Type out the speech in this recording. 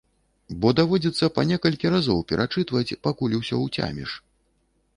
Бо даводзіцца па некалькі разоў перачытваць, пакуль усё ўцяміш.